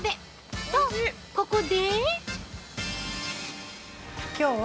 と、ここで。